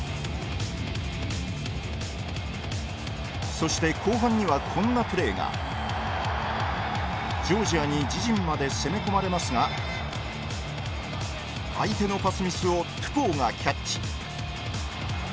そして後半にはこんなプレーがジョージアに自陣まで攻め込まれますが相手のパスミスをトゥポウがキャッチ。